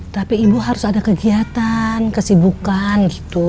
tapi ibu harus ada kegiatan kesibukan gitu